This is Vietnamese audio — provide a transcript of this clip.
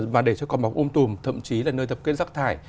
mà để cho con bọc ôm tùm thậm chí là nơi tập kết rắc thải